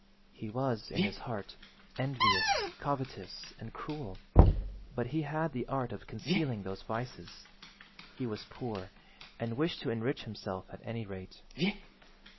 He was, in his heart, envious, covetous, and cruel, but he had the art of concealing those vices. He was poor, and wished to enrich himself at any rate.